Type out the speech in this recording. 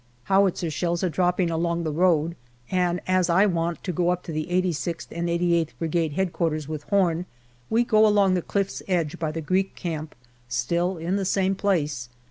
Howitzer shells are dropping along the road, and as I want to go up to 86th and 88th Brigade H.Q. with Horn, we go along the cliff's edge by the Greek camp, still in the same place.